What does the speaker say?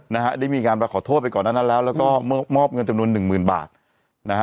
นะฮะได้มีการไปขอโทษไปก่อนหน้านั้นแล้วแล้วก็มอบเงินจำนวนหนึ่งหมื่นบาทนะฮะ